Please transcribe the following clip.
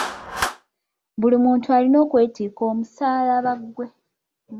Buli muntu alina okwetikka omusaalaba gwe.